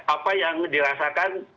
apa yang dirasakan